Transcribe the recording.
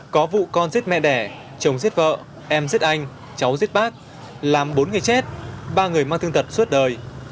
có vụ con giết mẹ đẻ chồng giết vợ em giết anh cháu giết bác làm bốn người chết ba người mang thương tật suốt đời